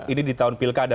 ini di tahun pilkada